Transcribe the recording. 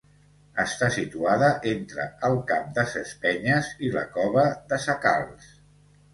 Està situada entre el Cap de ses Penyes i la cova de sa Calç.